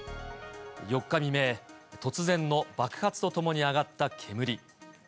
４日未明、突然の爆発とともに上がった煙。